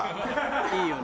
いいよね。